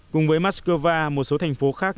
cùng với moscow một số thành phố khác